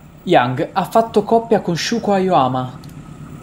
Yang ha fatto coppia con Shūko Aoyama.